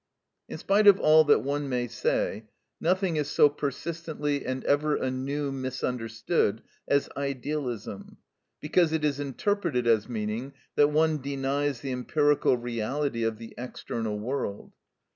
In spite of all that one may say, nothing is so persistently and ever anew misunderstood as Idealism, because it is interpreted as meaning that one denies the empirical reality of the external world.